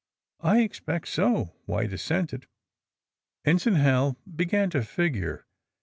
^*I expect so," White assented. Ensign Hal began to figure.